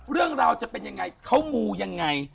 เรื่องราวจะเป็นยังไงเขามูยังไง